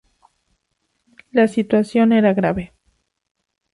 La situación era grave.